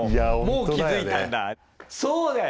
もう気付いたんだ。